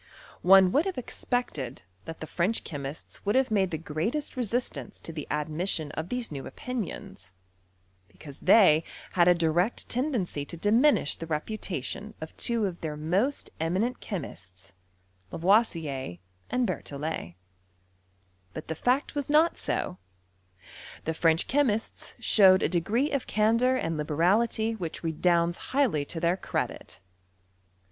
One would have ex. pected that the French chemists would have made the greatest resistance to the admission of these new opinions ; because they had a direct tendency to diminish the reputation of two of their most eminent chemists, Lavoisier and Berthollet. But the fact was not so : the French chemists showed a de~ gree of candour and liberality which redounds highly to their credit.